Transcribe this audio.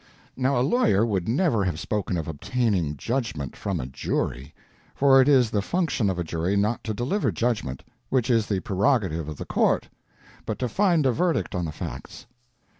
Now a lawyer would never have spoken of obtaining "judgment from a jury," for it is the function of a jury not to deliver judgment (which is the prerogative of the court), but to find a verdict on the facts.